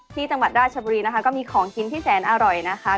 ที่จังหวัดราชบุรีนะคะก็มีของกินที่แสนอร่อยนะคะ